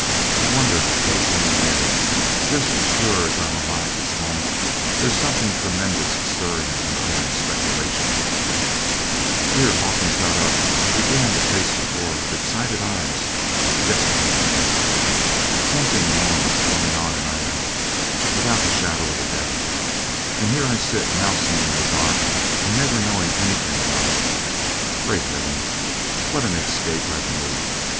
I wonder what is in the wind? just as sure as I'm alive this moment, there's something tremendous stirring in iron speculation" [here Hawkins got up and began to pace the floor with excited eyes and with gesturing hands] "something enormous going on in iron, without the shadow of a doubt, and here I sit mousing in the dark and never knowing anything about it; great heaven, what an escape I've made!